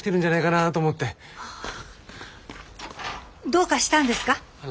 どうかしたんですか？